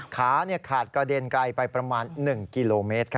ขาขาดกระเด็นไกลไปประมาณ๑กิโลเมตร